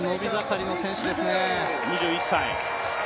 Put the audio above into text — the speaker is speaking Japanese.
２１歳。